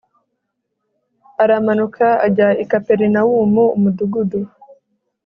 Aramanuka ajya i Kaperinawumu umudugudu